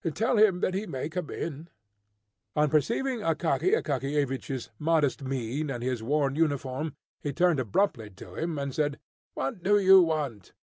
Tell him that he may come in." On perceiving Akaky Akakiyevich's modest mien and his worn uniform, he turned abruptly to him, and said, "What do you want?"